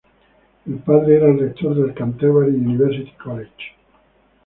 El padre era el rector del "Canterbury University College".